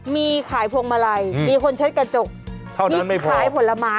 มีขายพวงมาลัยมีคนใช้กระจกเท่านั้นไม่พอมีขายผลไม้